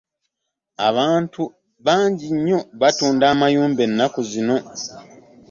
Abantu bangi nnyo abatunda amayumba ennaku zino.